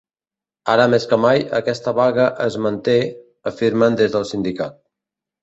Ara més que mai, aquesta vaga es manté, afirmen des del sindicat.